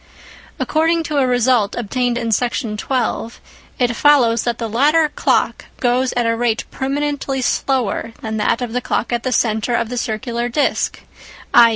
According to a result obtained in Section 12, it follows that the latter clock goes at a rate permanently slower than that of the clock at the centre of the circular disc, i.